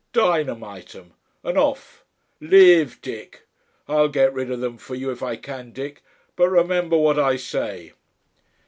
Dynamite 'em and off! LIVE, Dick! I'll get rid of them for you if I can, Dick, but remember what I say."...